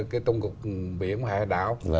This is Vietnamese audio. cái tổng cục biển và hải đảo